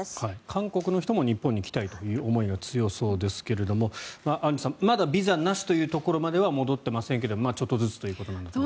韓国の人も日本に来たいという思いが強そうですがアンジュさんまだビザなしというところまでは戻っていませんけれどちょっとずつということです。